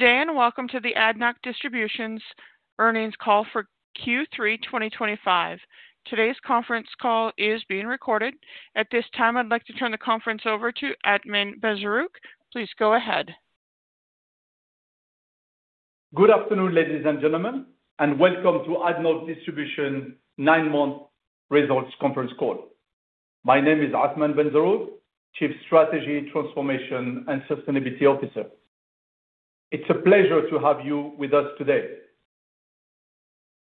Good day, and welcome to the ADNOC Distribution earnings call for Q3 2025. Today's conference call is being recorded. At this time, I'd like to turn the conference over to Athmane Benzerroug. Please go ahead. Good afternoon, ladies and gentlemen, and welcome to ADNOC Distribution's nine-month results conference call. My name is Athmane Benzerroug, Chief Strategy, Transformation and Sustainability Officer. It's a pleasure to have you with us today.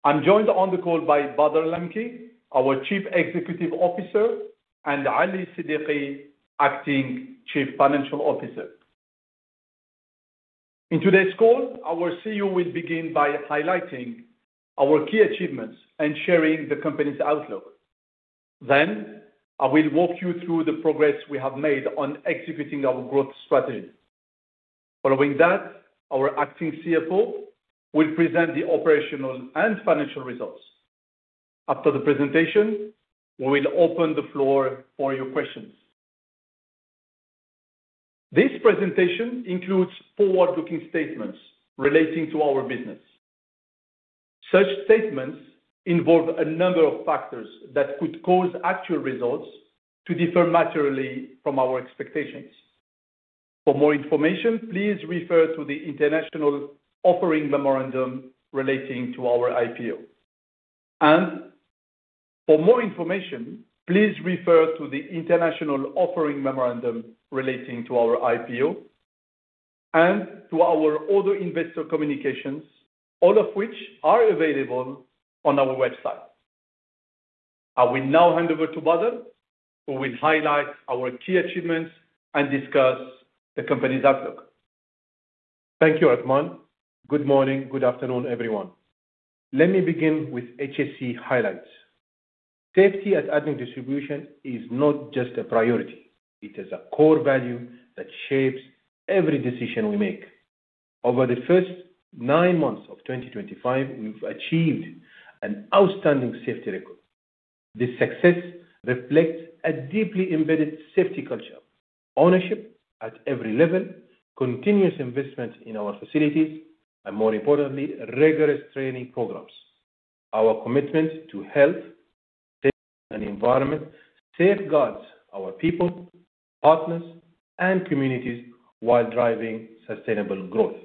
I'm joined on the call by Bader Al Lamki, our Chief Executive Officer, and Ali Siddiqi, Acting Chief Financial Officer. In today's call, our CEO will begin by highlighting our key achievements and sharing the company's outlook. Then, I will walk you through the progress we have made on executing our growth strategy. Following that, our Acting CFO will present the operational and financial results. After the presentation, we will open the floor for your questions. This presentation includes forward-looking statements relating to our business. Such statements involve a number of factors that could cause actual results to differ materially from our expectations. For more information, please refer to the International Offering Memorandum relating to our IPO. For more information, please refer to the International Offering Memorandum relating to our IPO and to our other investor communications, all of which are available on our website. I will now hand over to Bader, who will highlight our key achievements and discuss the company's outlook. Thank you, Athmane. Good morning. Good afternoon, everyone. Let me begin with HSE highlights. Safety at ADNOC Distribution is not just a priority. It is a core value that shapes every decision we make. Over the first nine months of 2025, we've achieved an outstanding safety record. This success reflects a deeply embedded safety culture, ownership at every level, continuous investment in our facilities, and more importantly, rigorous training programs. Our commitment to health, safety, and environment safeguards our people, partners, and communities while driving sustainable growth.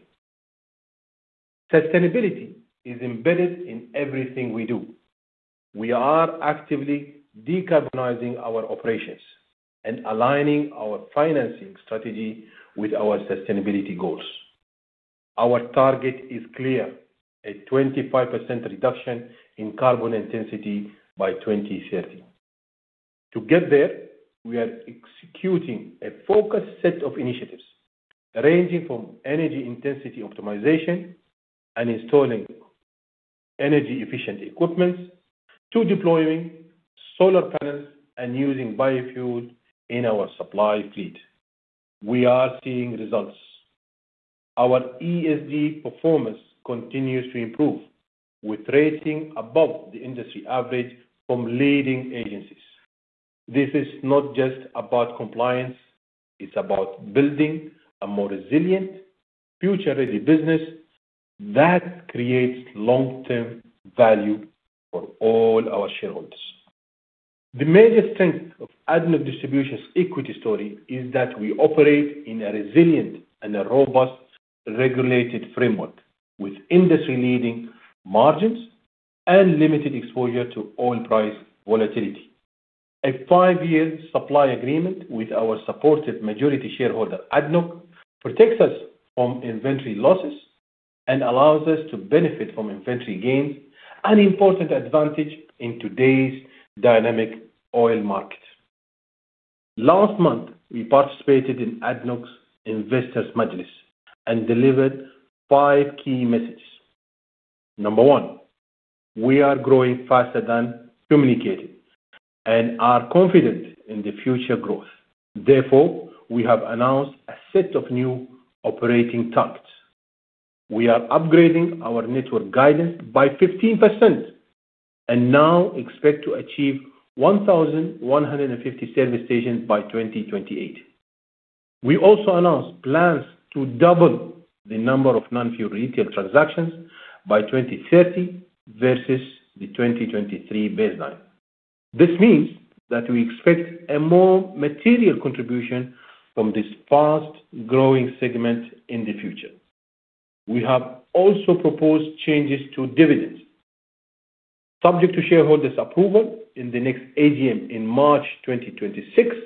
Sustainability is embedded in everything we do. We are actively decarbonizing our operations and aligning our financing strategy with our sustainability goals. Our target is clear: a 25% reduction in carbon intensity by 2030. To get there, we are executing a focused set of initiatives ranging from energy intensity optimization and installing energy-efficient equipment to deploying solar panels and using biofuel in our supply fleet. We are seeing results. Our ESG performance continues to improve, with rating above the industry average from leading agencies. This is not just about compliance. It's about building a more resilient, future-ready business that creates long-term value for all our shareholders. The major strength of ADNOC Distribution's equity story is that we operate in a resilient and a robust regulated framework with industry-leading margins and limited exposure to oil price volatility. A five-year supply agreement with our supported majority shareholder, ADNOC, protects us from inventory losses and allows us to benefit from inventory gains, an important advantage in today's dynamic oil market. Last month, we participated in ADNOC's investors' Majlis and delivered five key messages. Number one, we are growing faster than communicated and are confident in the future growth. Therefore, we have announced a set of new operating targets. We are upgrading our network guidance by 15%. We now expect to achieve 1,150 service stations by 2028. We also announced plans to double the number of non-fuel retail transactions by 2030 versus the 2023 baseline. This means that we expect a more material contribution from this fast-growing segment in the future. We have also proposed changes to dividends. Subject to shareholders' approval in the next AGM in March 2026,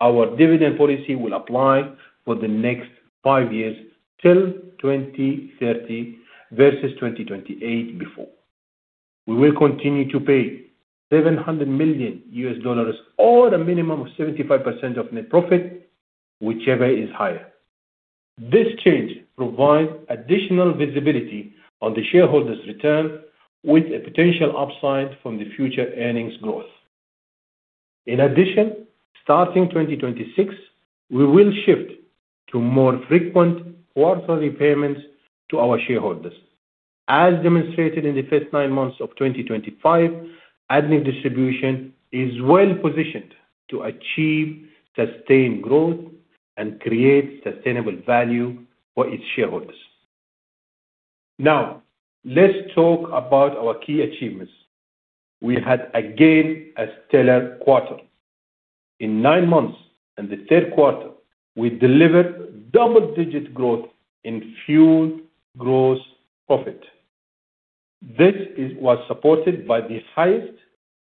our dividend policy will apply for the next five years till 2030 versus 2028 before. We will continue to pay $700 million or a minimum of 75% of net profit, whichever is higher. This change provides additional visibility on the shareholders' return, with a potential upside from the future earnings growth. In addition, starting 2026, we will shift to more frequent quarterly payments to our shareholders. As demonstrated in the first nine months of 2025, ADNOC Distribution is well-positioned to achieve sustained growth and create sustainable value for its shareholders. Now, let's talk about our key achievements. We had, again, a stellar quarter. In nine months and the third quarter, we delivered double-digit growth in fuel gross profit. This was supported by the highest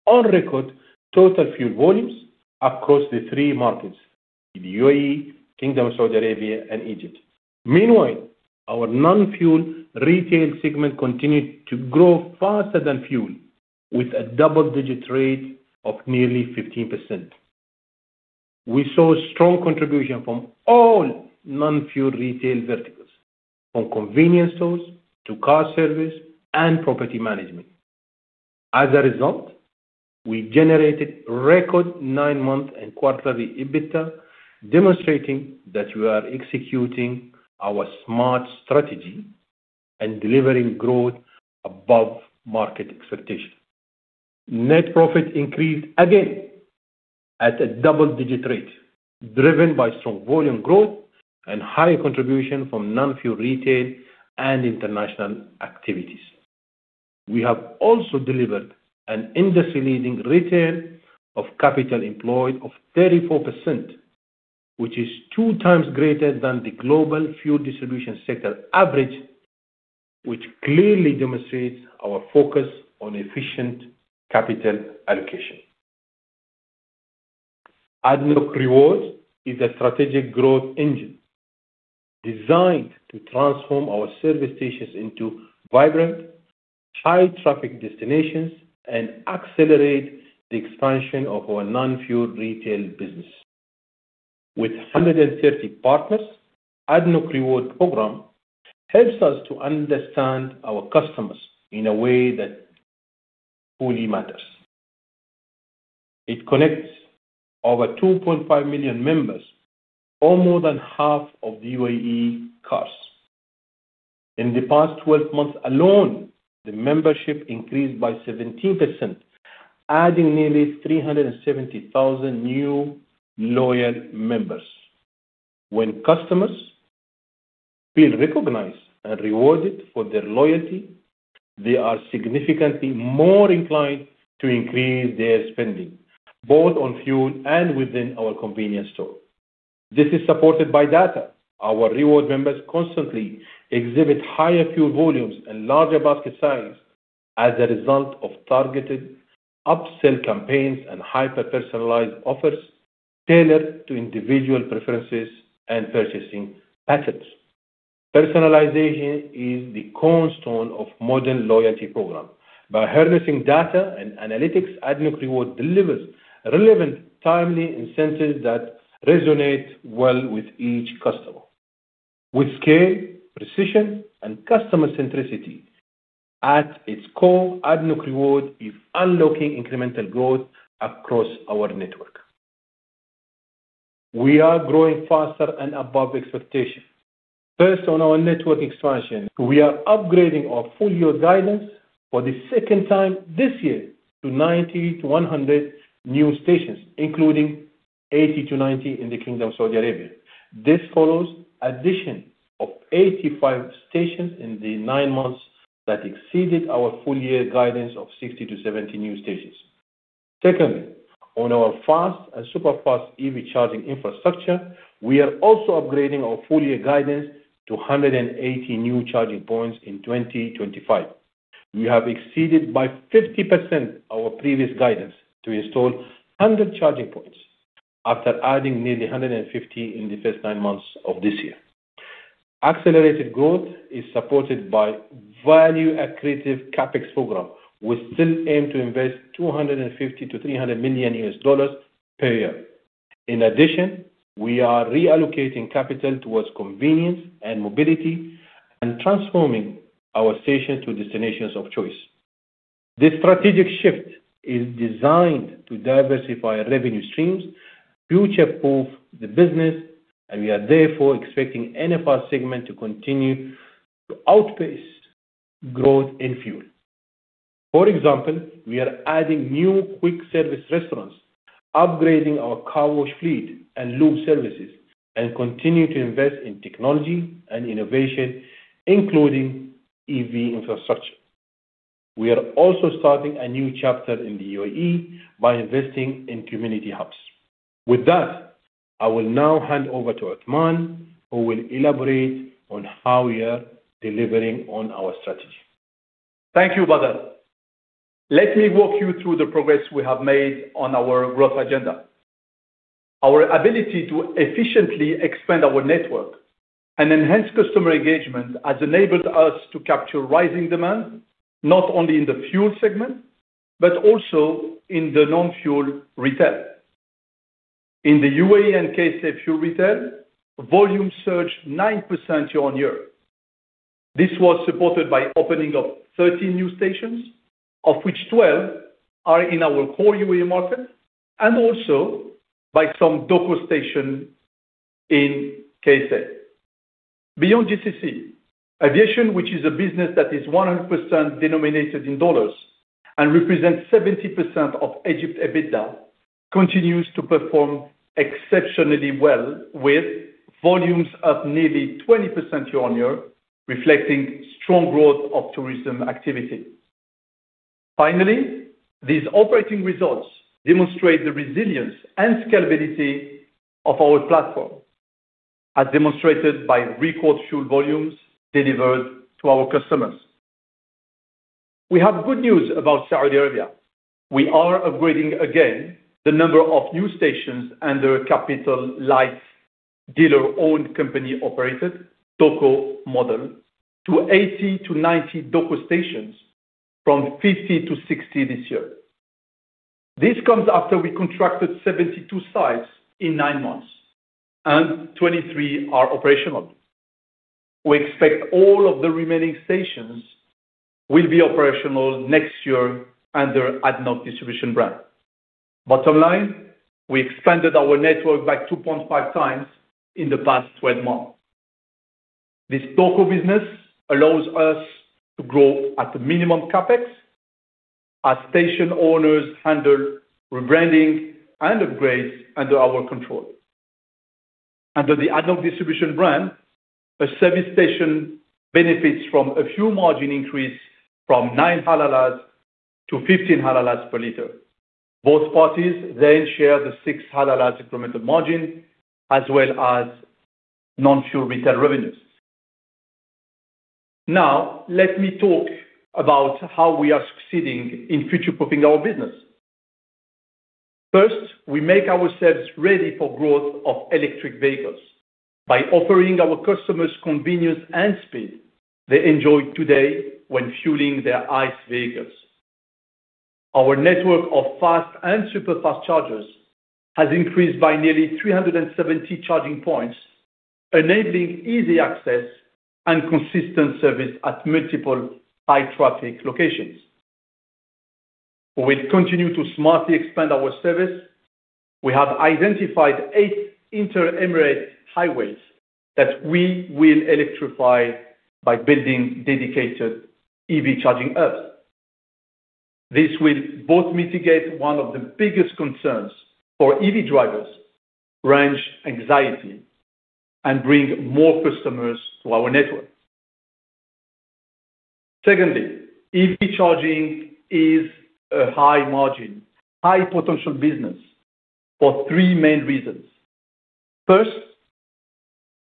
on-record total fuel volumes across the three markets: the UAE, Kingdom of Saudi Arabia, and Egypt. Meanwhile, our non-fuel retail segment continued to grow faster than fuel, with a double-digit rate of nearly 15%. We saw strong contribution from all non-fuel retail verticals, from convenience stores to car service and property management. As a result, we generated record nine-month and quarterly EBITDA, demonstrating that we are executing our smart strategy and delivering growth above market expectation. Net profit increased again at a double-digit rate, driven by strong volume growth and higher contribution from non-fuel retail and international activities. We have also delivered an industry-leading return on capital employed of 34%, which is two times greater than the global fuel distribution sector average. This clearly demonstrates our focus on efficient capital allocation. ADNOC Rewards is a strategic growth engine designed to transform our service stations into vibrant, high-traffic destinations and accelerate the expansion of our non-fuel retail business. With 130 partners, ADNOC Rewards Program helps us to understand our customers in a way that truly matters. It connects over 2.5 million members, or more than half of the UAE cars. In the past 12 months alone, the membership increased by 17%, adding nearly 370,000 new loyal members. When customers feel recognized and rewarded for their loyalty, they are significantly more inclined to increase their spending, both on fuel and within our convenience store. This is supported by data. Our reward members constantly exhibit higher fuel volumes and larger basket size as a result of targeted upsell campaigns and hyper-personalized offers tailored to individual preferences and purchasing patterns. Personalization is the cornerstone of modern loyalty programs. By harnessing data and analytics, ADNOC Rewards delivers relevant, timely incentives that resonate well with each customer, with scale, precision, and customer centricity. At its core, ADNOC Rewards is unlocking incremental growth across our network. We are growing faster and above expectation. First, on our network expansion, we are upgrading our full-year guidance for the second time this year to 90-100 new stations, including 80-90 in the Kingdom of Saudi Arabia. This follows the addition of 85 stations in the nine months that exceeded our full-year guidance of 60-70 new stations. Secondly, on our fast and super-fast EV charging infrastructure, we are also upgrading our full-year guidance to 180 new charging points in 2025. We have exceeded by 50% our previous guidance to install 100 charging points after adding nearly 150 in the first nine months of this year. Accelerated growth is supported by a value-accretive capEx program. We still aim to invest $250 million-$300 million per year. In addition, we are reallocating capital towards convenience and mobility and transforming our stations to destinations of choice. This strategic shift is designed to diversify revenue streams, future-proof the business, and we are therefore expecting the NFR segment to continue to outpace growth in fuel. For example, we are adding new quick-service restaurants, upgrading our car wash fleet and lube services, and continue to invest in technology and innovation, including EV infrastructure. We are also starting a new chapter in the United Arab Emirates by investing in community hubs. With that, I will now hand over to Athmane, who will elaborate on how we are delivering on our strategy. Thank you, Bader. Let me walk you through the progress we have made on our growth agenda. Our ability to efficiently expand our network and enhance customer engagement has enabled us to capture rising demand, not only in the fuel segment but also in the non-fuel retail. In the United Arab Emirates and KSA fuel retail, volumes surged 9% year on year. This was supported by the opening of 30 new stations, of which 12 are in our core United Arab Emirates market and also by some DOCO stations in KSA. Beyond GCC, aviation, which is a business that is 100% denominated in dollars and represents 70% of Egypt's EBITDA, continues to perform exceptionally well, with volumes up nearly 20% year on year, reflecting strong growth of tourism activity. Finally, these operating results demonstrate the resilience and scalability of our platform, as demonstrated by record fuel volumes delivered to our customers. We have good news about Saudi Arabia. We are upgrading again the number of new stations under Capital Light Dealer-Owned Company-Operated, DOCO model, to 80-90 DOCO stations from 50-60 this year. This comes after we contracted 72 sites in nine months, and 23 are operational. We expect all of the remaining stations will be operational next year under ADNOC Distribution brand. Bottom line, we expanded our network by 2.5x in the past 12 months. This DOCO business allows us to grow at the minimum capEx, as station owners handle rebranding and upgrades under our control. Under the ADNOC Distribution brand, a service station benefits from a fuel margin increase from 9 halalas to 15 halalas per liter. Both parties then share the 6 halalas incremental margin as well as non-fuel retail revenues. Now, let me talk about how we are succeeding in future-proofing our business. First, we make ourselves ready for the growth of electric vehicles by offering our customers convenience and speed they enjoy today when fueling their ICE vehicles. Our network of fast and super-fast chargers has increased by nearly 370 charging points, enabling easy access and consistent service at multiple high-traffic locations. We will continue to smartly expand our service. We have identified eight inter-Emirate highways that we will electrify by building dedicated EV charging hubs. This will both mitigate one of the biggest concerns for EV drivers, range anxiety, and bring more customers to our network. Secondly, EV charging is a high-margin, high-potential business for three main reasons. First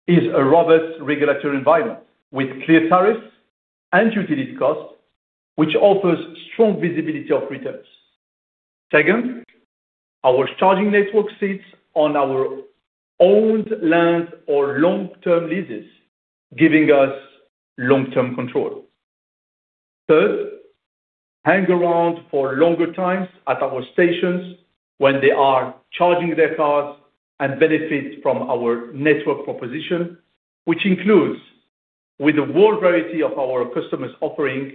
is a robust regulatory environment with clear tariffs and utility costs, which offers strong visibility of returns. Second, our charging network sits on our owned lands or long-term leases, giving us long-term control. Third, customers hang around for longer times at our stations when they are charging their cars and benefit from our network proposition, which includes a wide variety of our customers' offerings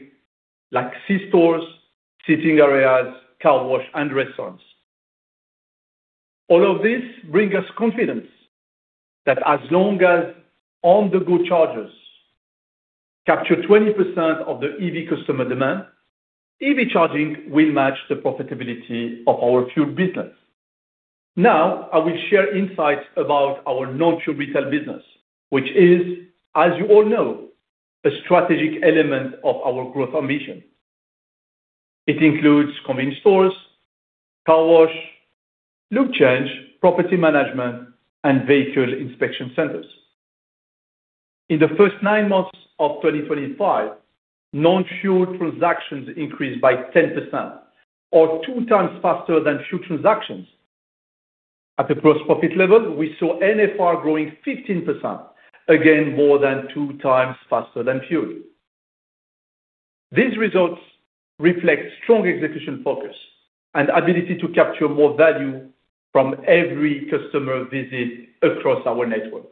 like c-stores, seating areas, car wash, and restaurants. All of this brings us confidence that as long as on-the-go chargers capture 20% of the EV customer demand, EV charging will match the profitability of our fuel business. Now, I will share insights about our non-fuel retail business, which is, as you all know, a strategic element of our growth ambition. It includes convenience stores, car wash, lube change, property management, and vehicle inspection centers. In the first nine months of 2025, non-fuel transactions increased by 10%, or two times faster than fuel transactions. At the gross profit level, we saw NFR growing 15%, again more than two times faster than fuel. These results reflect strong execution focus and the ability to capture more value from every customer visit across our network.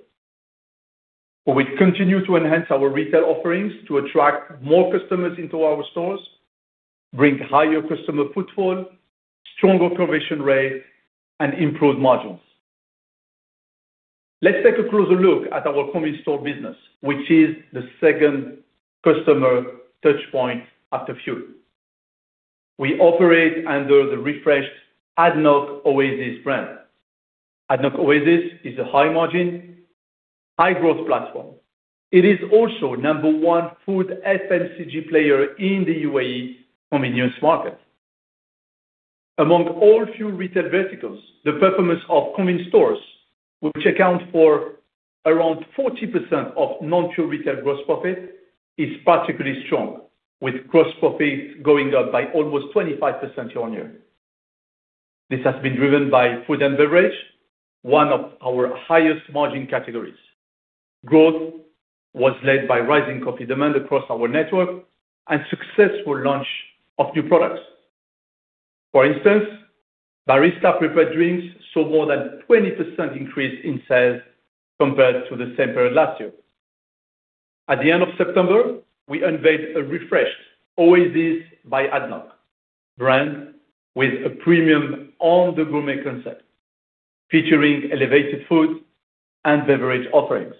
We continue to enhance our retail offerings to attract more customers into our stores, bring higher customer footfall, stronger conversion rates, and improve margins. Let's take a closer look at our convenience store business, which is the second customer touchpoint after fuel. We operate under the refreshed ADNOC Oasis brand. ADNOC Oasis is a high-margin, high-growth platform. It is also the number one food FMCG player in the UAE convenience market. Among all fuel retail verticals, the performance of convenience stores, which account for around 40% of non-fuel retail gross profit, is particularly strong, with gross profit going up by almost 25% year on year. This has been driven by food and beverage, one of our highest margin categories. Growth was led by rising coffee demand across our network and successful launch of new products. For instance. Barista-prepared drinks saw more than a 20% increase in sales compared to the same period last year. At the end of September, we unveiled a refreshed ADNOC Oasis brand with a premium on-the-go make concept, featuring elevated food and beverage offerings.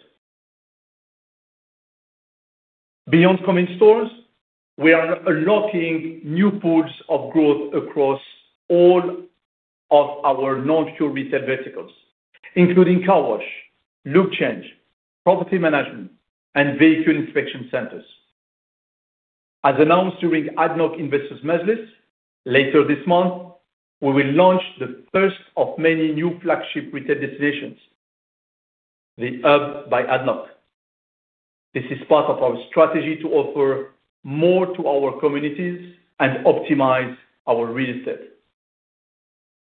Beyond convenience stores, we are unlocking new pools of growth across all of our non-fuel retail verticals, including car wash, lube change, property management, and vehicle inspection centers. As announced during ADNOC Investors' Majlis, later this month, we will launch the first of many new flagship retail destinations, The Hub by ADNOC. This is part of our strategy to offer more to our communities and optimize our real estate.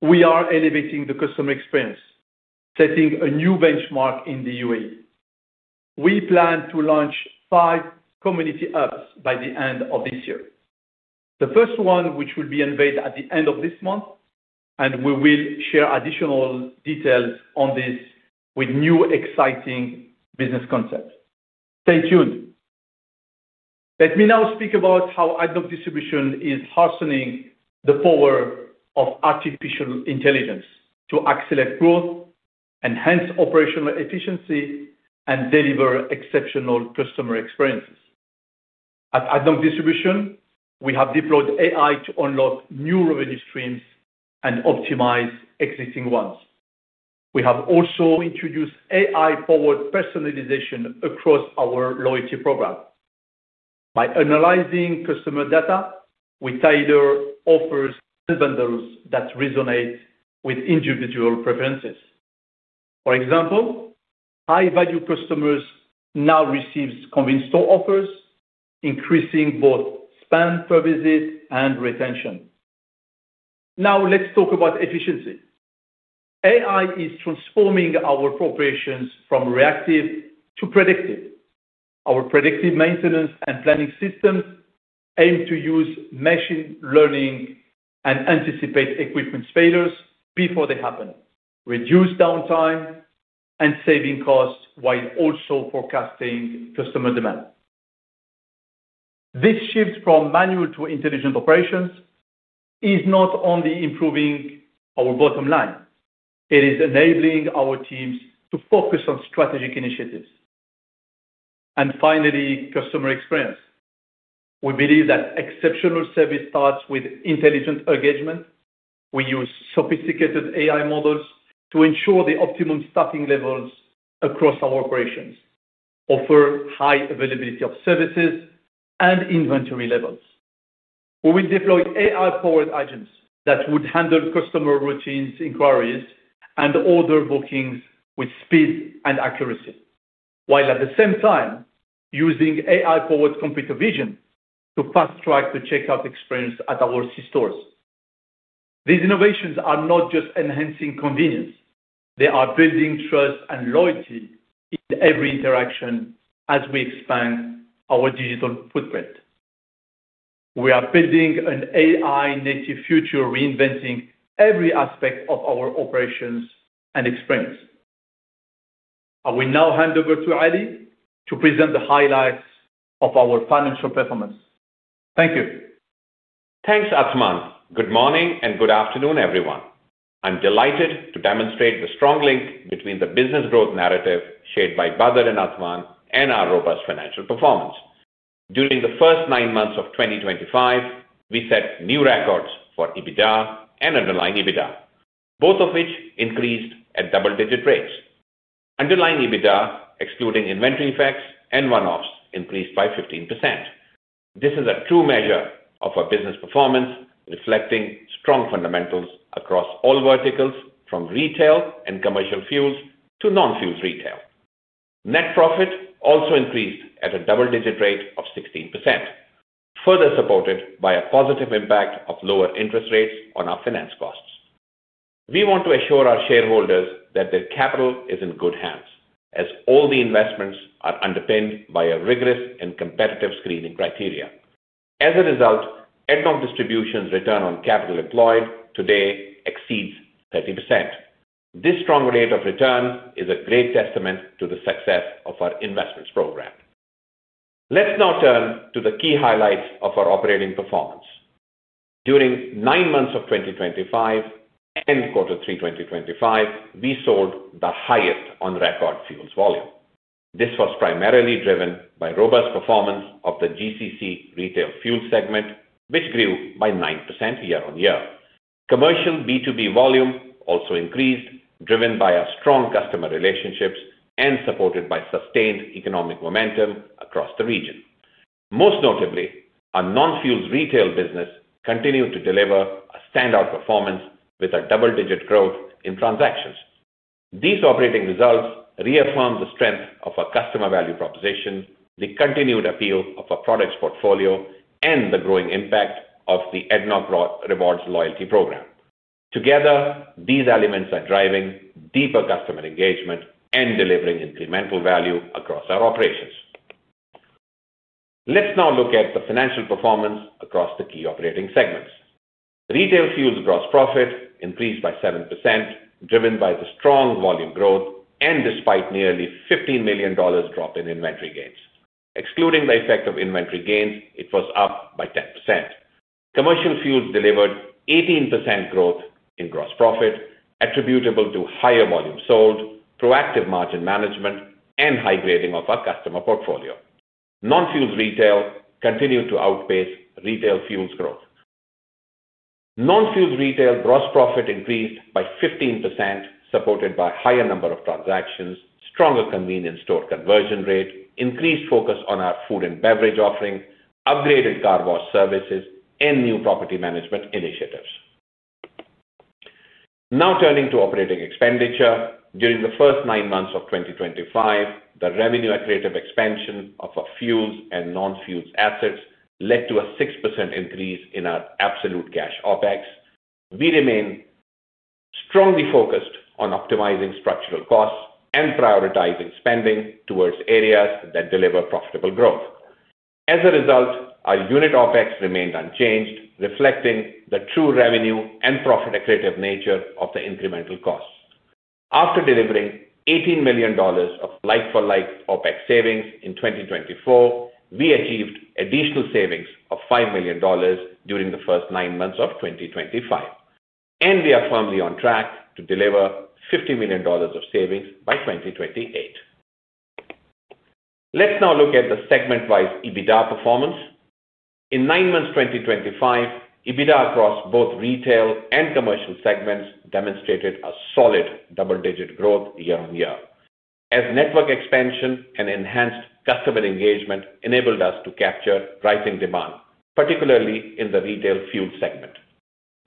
We are elevating the customer experience, setting a new benchmark in the United Arab Emirates. We plan to launch five community hubs by the end of this year. The first one, which will be unveiled at the end of this month, and we will share additional details on this with new exciting business concepts. Stay tuned. Let me now speak about how ADNOC Distribution is harnessing the power of artificial intelligence to accelerate growth and enhance operational efficiency and deliver exceptional customer experiences. At ADNOC Distribution, we have deployed AI to unlock new revenue streams and optimize existing ones. We have also introduced AI-powered personalization across our loyalty program. By analyzing customer data, we tailor offers and bundles that resonate with individual preferences. For example, high-value customers now receive convenience store offers, increasing both spend per visit and retention. Now, let's talk about efficiency. AI is transforming our operations from reactive to predictive. Our predictive maintenance and planning systems aim to use machine learning and anticipate equipment failures before they happen, reduce downtime, and save costs while also forecasting customer demand. This shift from manual to intelligent operations is not only improving our bottom line; it is enabling our teams to focus on strategic initiatives. Finally, customer experience. We believe that exceptional service starts with intelligent engagement. We use sophisticated AI models to ensure the optimum staffing levels across our operations, offer high availability of services, and inventory levels. We will deploy AI-powered agents that would handle customer routines, inquiries, and order bookings with speed and accuracy, while at the same time using AI-powered computer vision to fast-track the checkout experience at our C-stores. These innovations are not just enhancing convenience; they are building trust and loyalty in every interaction as we expand our digital footprint. We are building an AI-native future, reinventing every aspect of our operations and experience. I will now hand over to Ali to present the highlights of our financial performance. Thank you. Thanks, Athmane. Good morning and good afternoon, everyone. I'm delighted to demonstrate the strong link between the business growth narrative shared by Bader and Athmane and our robust financial performance. During the first nine months of 2025, we set new records for EBITDA and underlying EBITDA, both of which increased at double-digit rates. Underlying EBITDA, excluding inventory effects and one-offs, increased by 15%. This is a true measure of our business performance, reflecting strong fundamentals across all verticals, from retail and commercial fuels to non-fuel retail. Net profit also increased at a double-digit rate of 16%, further supported by a positive impact of lower interest rates on our finance costs. We want to assure our shareholders that their capital is in good hands, as all the investments are underpinned by a rigorous and competitive screening criteria. As a result, ADNOC Distribution's return on capital employed today exceeds 30%. This strong rate of return is a great testament to the success of our investments program. Let's now turn to the key highlights of our operating performance. During nine months of 2025 and Q3 2025, we sold the highest on-record fuels volume. This was primarily driven by robust performance of the GCC retail fuel segment, which grew by 9% year on year. Commercial B2B volume also increased, driven by our strong customer relationships and supported by sustained economic momentum across the region. Most notably, our non-fuel retail business continued to deliver a standout performance with a double-digit growth in transactions. These operating results reaffirm the strength of our customer value proposition, the continued appeal of our products portfolio, and the growing impact of the ADNOC Rewards loyalty program. Together, these elements are driving deeper customer engagement and delivering incremental value across our operations. Let's now look at the financial performance across the key operating segments. Retail fuels gross profit increased by 7%, driven by the strong volume growth and despite nearly $15 million drop in inventory gains. Excluding the effect of inventory gains, it was up by 10%. Commercial fuels delivered 18% growth in gross profit, attributable to higher volume sold, proactive margin management, and high grading of our customer portfolio. Non-fuel retail continued to outpace retail fuels growth. Non-fuel retail gross profit increased by 15%, supported by a higher number of transactions, stronger convenience store conversion rate, increased focus on our food and beverage offering, upgraded car wash services, and new property management initiatives. Now turning to operating expenditure, during the first nine months of 2025, the revenue accurate of expansion of our fuels and non-fuel assets led to a 6% increase in our absolute cash OPEX. We remain strongly focused on optimizing structural costs and prioritizing spending towards areas that deliver profitable growth. As a result, our unit OPEX remained unchanged, reflecting the true revenue and profit accurate of nature of the incremental costs. After delivering $18 million of like-for-like OPEX savings in 2024, we achieved additional savings of $5 million during the first nine months of 2025. We are firmly on track to deliver $50 million of savings by 2028. Let's now look at the segment-wise EBITDA performance. In nine months 2025, EBITDA across both retail and commercial segments demonstrated a solid double-digit growth year on year, as network expansion and enhanced customer engagement enabled us to capture rising demand, particularly in the retail fuel segment.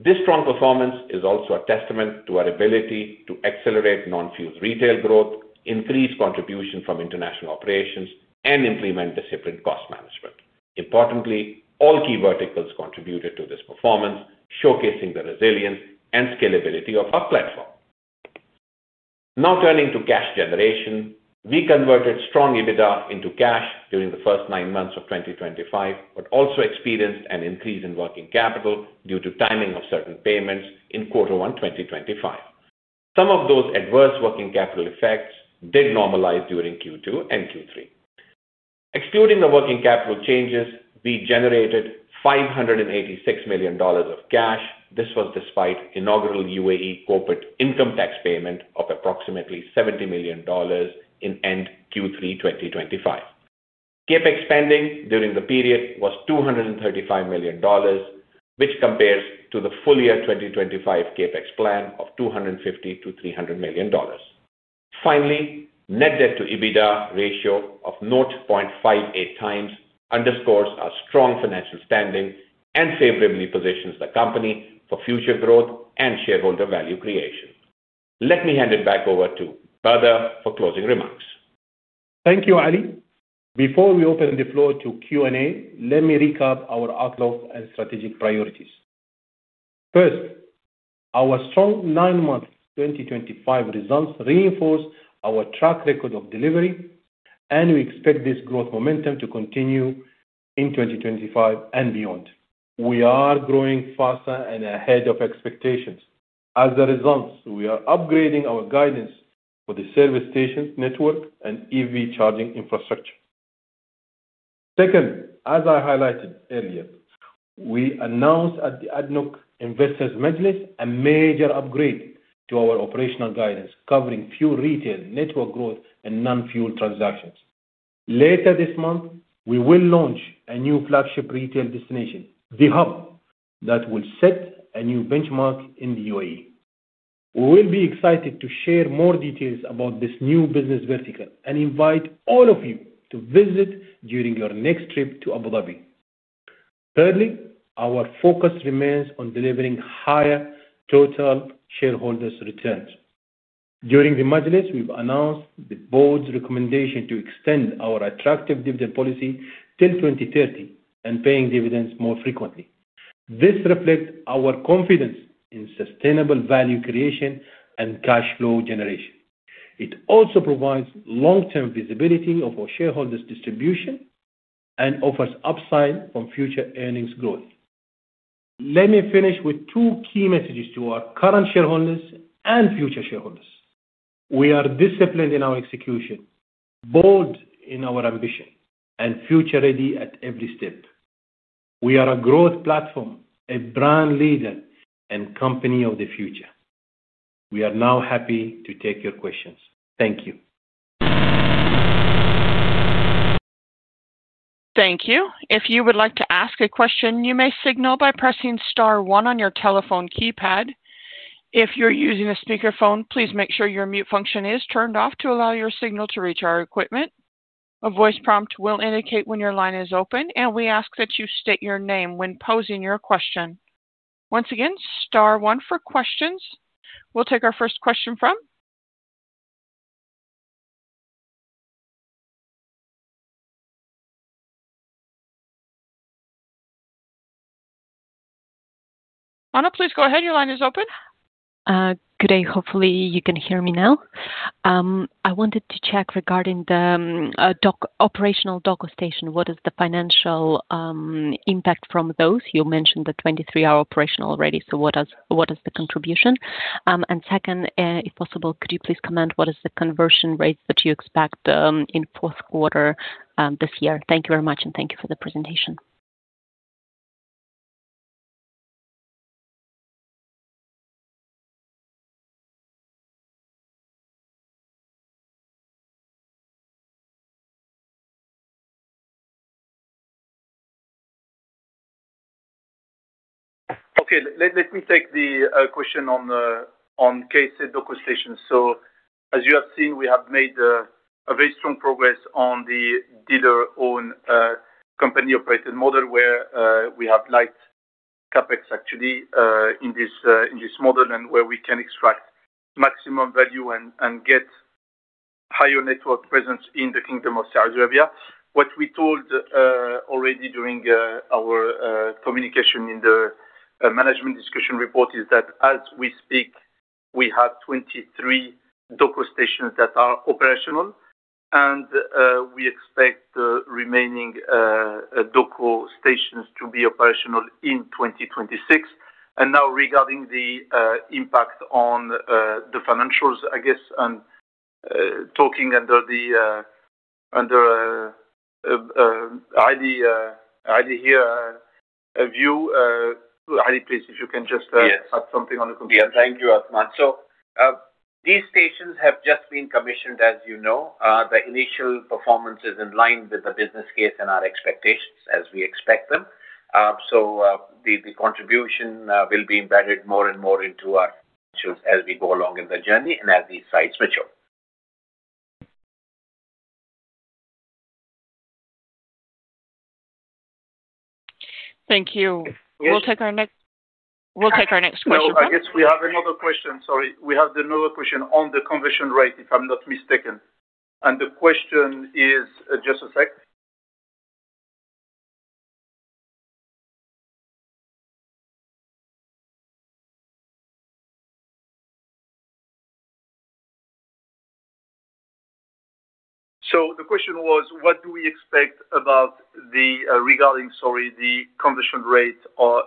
This strong performance is also a testament to our ability to accelerate non-fuel retail growth, increase contribution from international operations, and implement disciplined cost management. Importantly, all key verticals contributed to this performance, showcasing the resilience and scalability of our platform. Now turning to cash generation, we converted strong EBITDA into cash during the first nine months of 2025, but also experienced an increase in working capital due to timing of certain payments in Q1 2025. Some of those adverse working capital effects did normalize during Q2 and Q3. Excluding the working capital changes, we generated $586 million of cash. This was despite inaugural UAE corporate income tax payment of approximately $70 million in end Q3 2025. capEx spending during the period was $235 million, which compares to the full year 2025 capEx plan of $250-$300 million. Finally, net debt to EBITDA ratio of 0.58x underscores our strong financial standing and favorably positions the company for future growth and shareholder value creation. Let me hand it back over to Bader for closing remarks. Thank you, Ali. Before we open the floor to Q&A, let me recap our outlook and strategic priorities. First. Our strong nine-month 2025 results reinforce our track record of delivery, and we expect this growth momentum to continue in 2025 and beyond. We are growing faster and ahead of expectations. As a result, we are upgrading our guidance for the service station network and EV charging infrastructure. Second, as I highlighted earlier, we announced at the ADNOC Investors' Majlis a major upgrade to our operational guidance covering fuel retail network growth and non-fuel transactions. Later this month, we will launch a new flagship retail destination, The Hub, that will set a new benchmark in the UAE. We will be excited to share more details about this new business vertical and invite all of you to visit during your next trip to Abu Dhabi. Thirdly, our focus remains on delivering higher total shareholders' returns. During the Majlis, we've announced the board's recommendation to extend our attractive dividend policy till 2030 and paying dividends more frequently. This reflects our confidence in sustainable value creation and cash flow generation. It also provides long-term visibility of our shareholders' distribution and offers upside from future earnings growth. Let me finish with two key messages to our current shareholders and future shareholders. We are disciplined in our execution. Bold in our ambition, and future-ready at every step. We are a growth platform, a brand leader, and company of the future. We are now happy to take your questions. Thank you. Thank you. If you would like to ask a question, you may signal by pressing star one on your telephone keypad. If you're using a speakerphone, please make sure your mute function is turned off to allow your signal to reach our equipment. A voice prompt will indicate when your line is open, and we ask that you state your name when posing your question. Once again, star one for questions. We'll take our first question from Anna. Please go ahead. Your line is open. Good day. Hopefully, you can hear me now. I wanted to check regarding the DOCO operational DOCO station. What is the financial impact from those? You mentioned the 23-hour operational already, so what is the contribution? And second, if possible, could you please comment, what is the conversion rate that you expect in fourth quarter this year? Thank you very much, and thank you for the presentation. Okay. Let me take the question on KSA DOCO station. As you have seen, we have made very strong progress on the dealer-owned, company-operated model where we have light capEx actually in this model and where we can extract maximum value and get higher network presence in the Kingdom of Saudi Arabia. What we told already during our communication in the management discussion report is that as we speak, we have 23 DOCO stations that are operational. We expect the remaining DOCO stations to be operational in 2026. Now regarding the impact on the financials, I guess, and talking under the, under Ali, Ali here, view, Ali, please, if you can just, yes, add something on the computer. Yeah. Thank you, Athmane. These stations have just been commissioned, as you know. The initial performance is in line with the business case and our expectations as we expect them. The contribution will be embedded more and more into our financials as we go along in the journey and as these sites mature. Thank you. Yes. We'll take our next, we'll take our next question. No, I guess we have another question. Sorry. We have another question on the conversion rate, if I'm not mistaken. The question is, just a sec. The question was, what do we expect about the, regarding, sorry, the conversion rate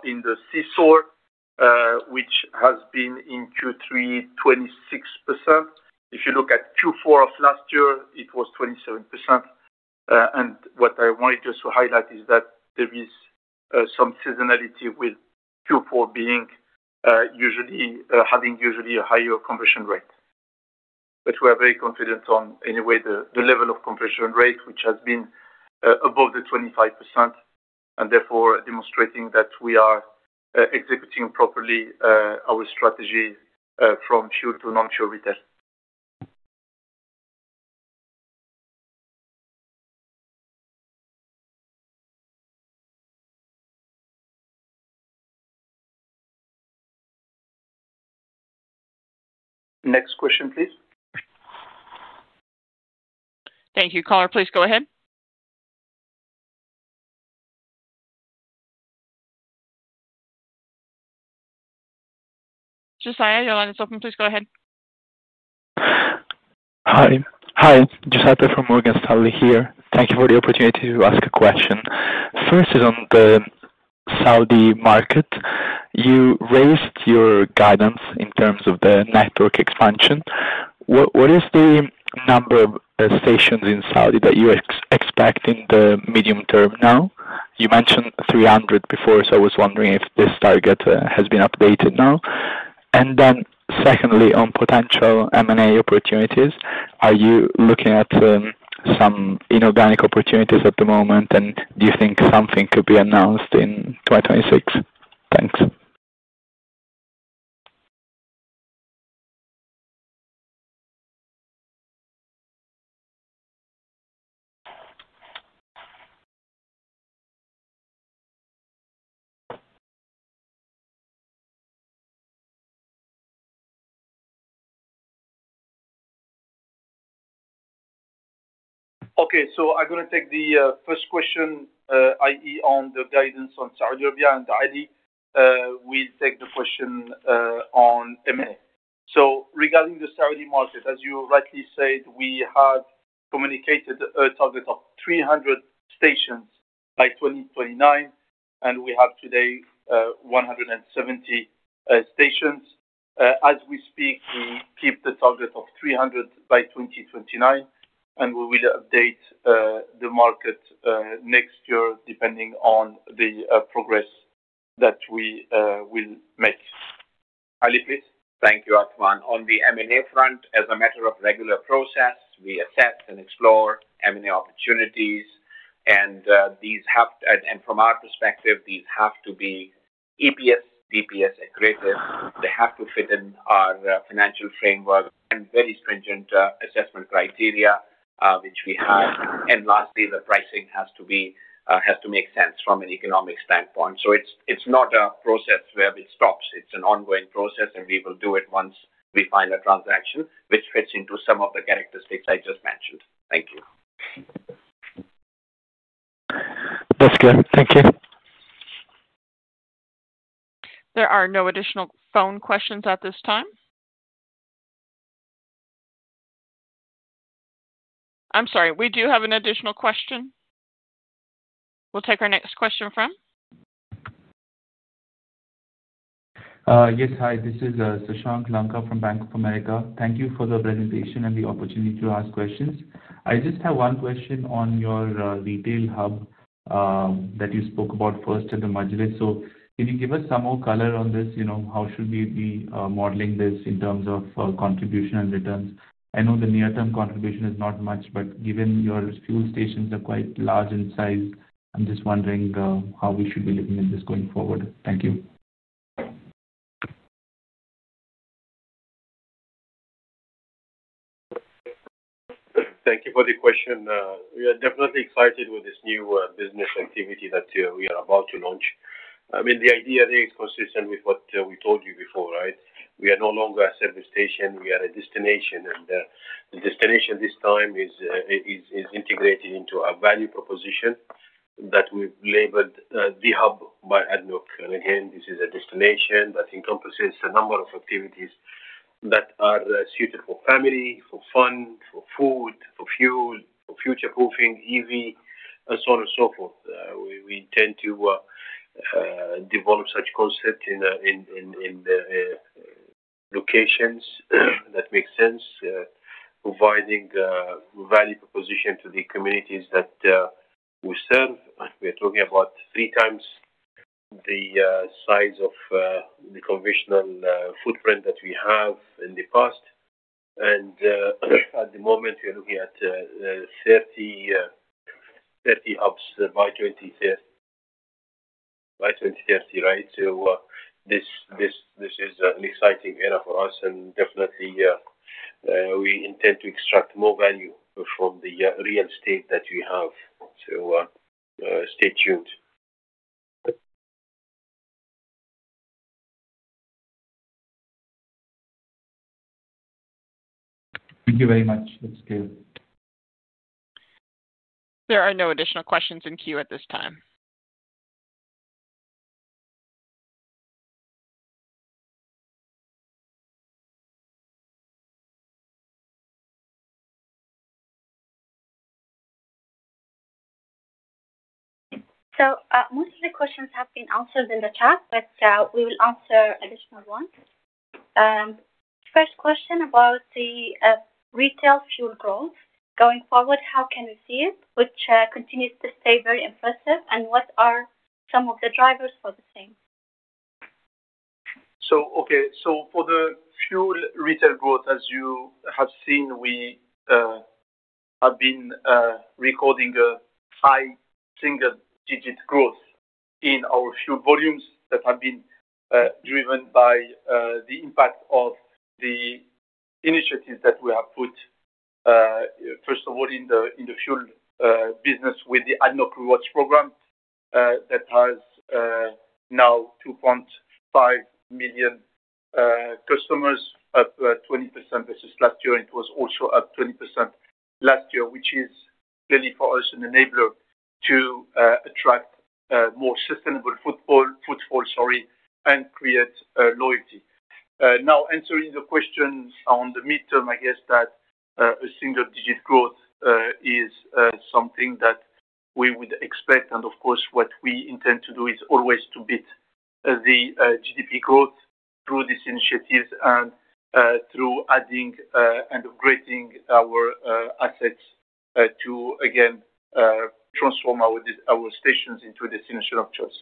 in the CSOR, which has been in Q3 26%? If you look at Q4 of last year, it was 27%. What I wanted just to highlight is that there is some seasonality with Q4 usually having a higher conversion rate. We are very confident on, anyway, the level of conversion rate, which has been above the 25% and therefore demonstrating that we are executing properly our strategy from fuel to non-fuel retail. Next question, please. Thank you, Caller. Please go ahead. Josiah, your line is open. Please go ahead. Hi. Hi. Josiah Brensdal from Morgan Stanley here. Thank you for the opportunity to ask a question. First is on the Saudi market. You raised your guidance in terms of the network expansion. What is the number of stations in Saudi that you expect in the medium term now? You mentioned 300 before, so I was wondering if this target has been updated now. And then secondly, on potential M&A opportunities, are you looking at some inorganic opportunities at the moment, and do you think something could be announced in 2026? Thanks. Okay. So I'm gonna take the first question, i.e., on the guidance on Saudi Arabia. And Ali will take the question on M&A. So regarding the Saudi market, as you rightly said, we have communicated a target of 300 stations by 2029, and we have today 170 stations. As we speak, we keep the target of 300 by 2029, and we will update the market next year depending on the progress that we will make. Ali, please. Thank you, Athmane. On the M&A front, as a matter of regular process, we assess and explore M&A opportunities, and from our perspective, these have to be EPS, DPS accurate. They have to fit in our financial framework and very stringent assessment criteria, which we have. And lastly, the pricing has to make sense from an economic standpoint. It's not a process where it stops. It's an ongoing process, and we will do it once we find a transaction which fits into some of the characteristics I just mentioned. Thank you. That's good. Thank you. There are no additional phone questions at this time. I'm sorry. We do have an additional question. We'll take our next question from, yes. Hi. This is Sashank Lanka from Bank of America. Thank you for the presentation and the opportunity to ask questions. I just have one question on your retail hub that you spoke about first at the Majlis. Can you give us some more color on this? You know, how should we be modeling this in terms of contribution and returns? I know the near-term contribution is not much, but given your fuel stations are quite large in size, I'm just wondering how we should be looking at this going forward. Thank you. Thank you for the question. We are definitely excited with this new business activity that we are about to launch. I mean, the idea there is consistent with what we told you before, right? We are no longer a service station. We are a destination. The destination this time is integrated into our value proposition. That we've labeled The Hub by ADNOC. Again, this is a destination that encompasses a number of activities that are suited for family, for fun, for food, for fuel, for future-proofing, EV, and so on and so forth. We intend to develop such concepts in locations that make sense, providing value proposition to the communities that we serve. We are talking about three times the size of the conventional footprint that we have in the past. At the moment, we are looking at 30 hubs by 2030. By 2030, right? This is an exciting era for us. We definitely intend to extract more value from the real estate that we have. Stay tuned. Thank you very much. There are no additional questions in queue at this time. Most of the questions have been answered in the chat, but we will answer additional ones. First question about the retail fuel growth going forward, how can we see it, which continues to stay very impressive, and what are some of the drivers for the same? For the fuel retail growth, as you have seen, we have been recording a high single-digit growth in our fuel volumes that have been driven by the impact of the initiatives that we have put, first of all, in the fuel business with the ADNOC Rewards program, that has now 2.5 million customers, up 20% versus last year. It was also up 20% last year, which is clearly for us an enabler to attract more sustainable footfall, sorry, and create loyalty. Now answering the question on the midterm, I guess that a single-digit growth is something that we would expect. Of course, what we intend to do is always to beat the GDP growth through these initiatives and through adding and upgrading our assets to again transform our stations into the destination of choice.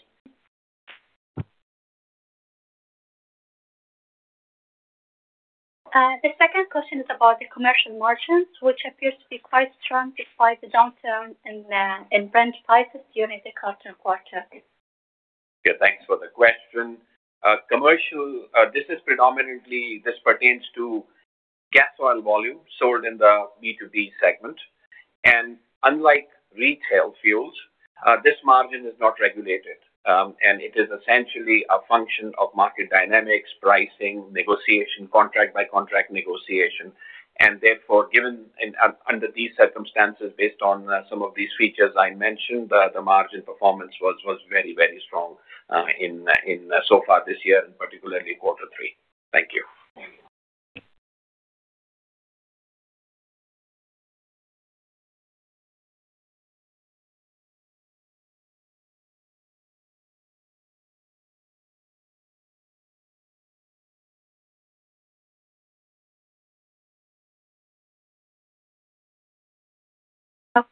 The second question is about the commercial margins, which appear to be quite strong despite the downturn in brand prices during the quarter-to-quarter. Thanks for the question. Commercial, this predominantly pertains to gas oil volume sold in the B2B segment. Unlike retail fuels, this margin is not regulated, and it is essentially a function of market dynamics, pricing, negotiation, contract-by-contract negotiation. Therefore, given under these circumstances, based on some of these features I mentioned, the margin performance was very, very strong so far this year, particularly quarter three. Thank you.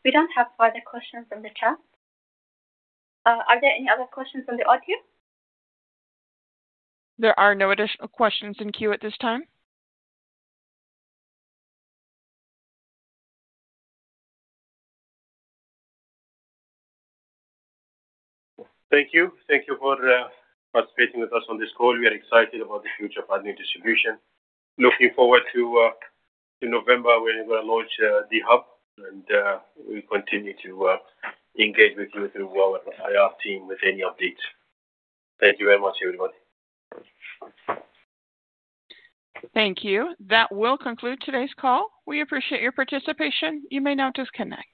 We do not have further questions in the chat. Are there any other questions on the audio? There are no additional questions in queue at this time. Thank you. Thank you for participating with us on this call. We are excited about the future of ADNOC Distribution. Looking forward to November when we are going to launch The Hub. We will continue to engage with you through our IR team with any updates. Thank you very much, everybody. Thank you. That will conclude today's call. We appreciate your participation. You may now disconnect.